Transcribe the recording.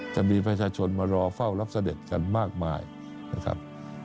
จะมีประชาชนมารอเฝ้ารับเสด็จกันมากมายนะครับ